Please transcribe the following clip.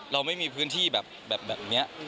เราไม่มีพื้นที่แบบนี้